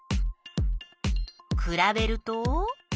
くらべると？